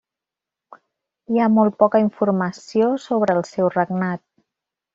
Hi ha molt poca informació sobre el seu regnat.